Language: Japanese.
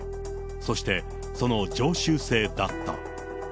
そしてその常習性だった。